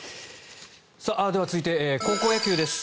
では、続いて高校野球です。